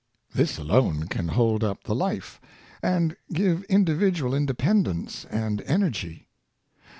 This alone can hold up the life, and give individual independence and energy.